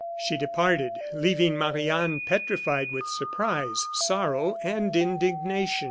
She departed, leaving Marie Anne petrified with surprise, sorrow, and indignation.